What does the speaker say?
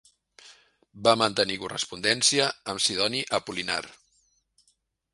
Va mantenir correspondència amb Sidoni Apol·linar.